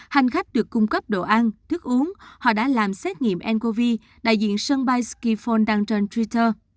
hành khách được cung cấp đồ ăn thức uống họ đã làm xét nghiệm ncov đại diện sân bay spifford đăng trên twitter